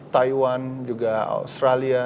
taiwan juga australia